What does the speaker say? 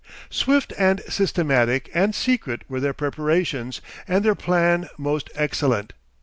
Swift and systematic and secret were their preparations, and their plan most excellent.